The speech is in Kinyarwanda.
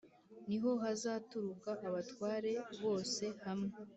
Ni ho hazaturuka abatware bose hamwe